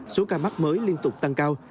số ca mắc mới liên tục tăng cao